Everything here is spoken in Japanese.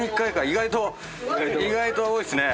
意外と意外と多いっすね。